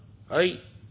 「はい」。